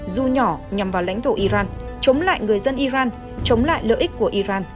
dù nhỏ nhằm vào lãnh thổ iran chống lại người dân iran chống lại lợi ích của iran